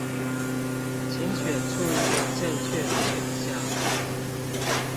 請選出一個正確的選項